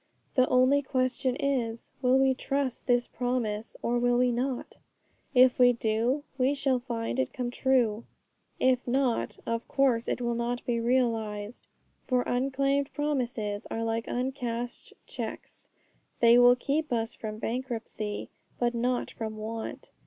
The only question is, will we trust this promise, or will we not? If we do, we shall find it come true. If not, of course it will not be realized. For unclaimed promises are like uncashed cheques; they will keep us from bankruptcy, but not from want.